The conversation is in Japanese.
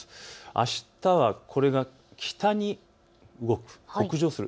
あしたはこれが北に動く、北上する。